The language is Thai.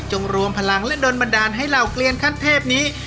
จงรวมพลังเล่นดนตร์บันดาลให้เราเกลียนขั้นเทพนี้